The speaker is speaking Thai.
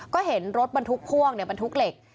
ก็เห็นรถบรรทุกพ่วงบรรทุกเหล็ก